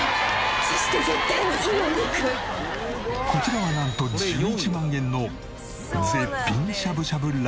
こちらはなんと１１万円の絶品しゃぶしゃぶラーメン。